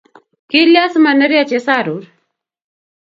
Kelia simanerio chesarur